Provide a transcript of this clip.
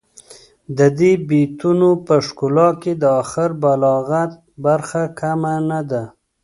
د دې بیتونو په ښکلا کې د اخر بلاغت برخه کمه نه ده.